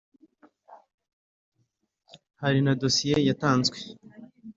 Hari na dosiye yatanzwe